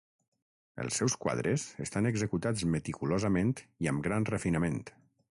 Els seus quadres estan executats meticulosament i amb gran refinament.